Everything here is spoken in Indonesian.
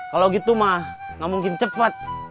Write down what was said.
kalau begitu mah nggak mungkin cepat